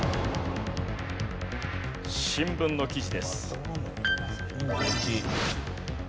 新聞の記事です。